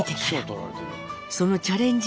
そのチャレンジ